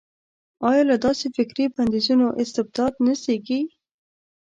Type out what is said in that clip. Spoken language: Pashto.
ایا له داسې فکري بندیزونو استبداد نه زېږي.